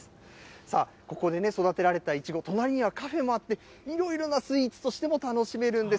さあ、ここで育てられたイチゴ、隣にはカフェもあって、いろいろなスイーツとしても楽しめるんです。